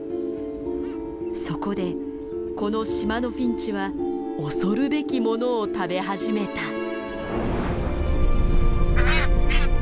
そこでこの島のフィンチは恐るべき物を食べ始めた。